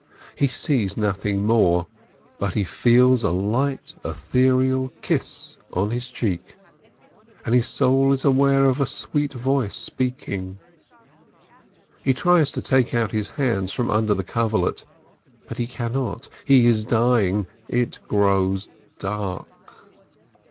He sees nothing more, but he feels a light, ethereal kiss on his cheek, and his soul is aware of a sweet voice speaking. He tries to take out his hands from under the coverlet, but he cannot — he is dying — it grows dark.